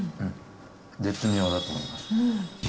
絶妙だと思います。